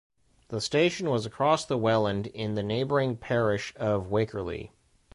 The station was across the Welland in the neighbouring parish of Wakerley.